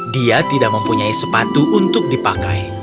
dia tidak mempunyai sepatu untuk dipakai